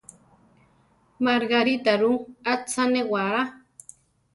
Margarita ru, atza néwará.